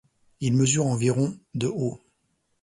Il mesure environ de haut.